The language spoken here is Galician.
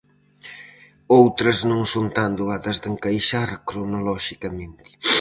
Outras non son tan doadas de encaixar cronoloxicamente.